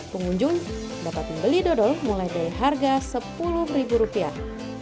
pengunjung dapat membeli dodol mulai dari harga sepuluh ribu rupiah